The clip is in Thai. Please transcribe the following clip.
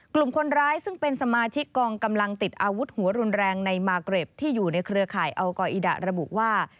กลุ่มคนร้ายซึ่งเป็นสมาชิกกองกำลังติดอาวุธหัวรุนแรงในมาร์เกร็บที่อยู่ในเครือข่ายอัลกออิดะระบุว่า